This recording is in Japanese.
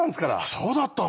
そうだったの？